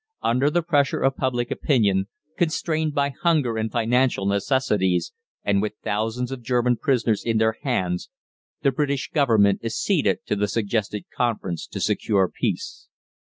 Under the pressure of public opinion, constrained by hunger and financial necessities, and with thousands of German prisoners in their hands, the British Government acceded to the suggested conference to secure peace.